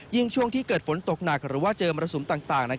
ช่วงที่เกิดฝนตกหนักหรือว่าเจอมรสุมต่าง